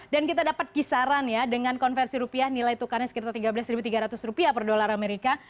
dan kita dapat kisaran ya dengan konversi rupiah nilai tukarnya sekitar tiga belas tiga ratus rupiah per dolar amerika